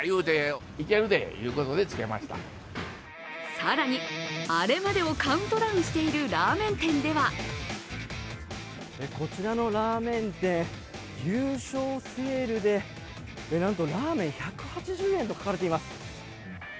更に、アレまでをカウントダウンしているラーメン店ではこちらのラーメン店、優勝セールでなんとラーメン１８０円と書かれています。